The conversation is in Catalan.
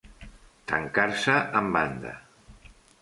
Tancar-se en banda.